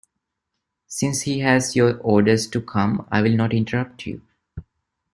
Since he has your orders to come, I will not interrupt you.